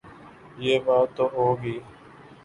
یہ بات تو ہو گئی۔